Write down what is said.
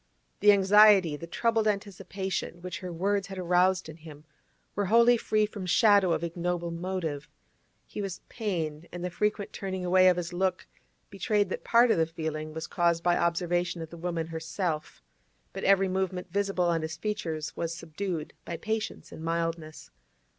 The anxiety, the troubled anticipation, which her words had aroused in him, were wholly free from shadow of ignoble motive; he was pained, and the frequent turning away of his look betrayed that part of the feeling was caused by observation of the woman herself, but every movement visible on his features was subdued by patience and mildness.